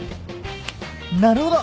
なるほど！